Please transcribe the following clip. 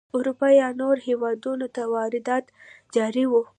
اروپا یا نورو هېوادونو ته واردات جاري وو.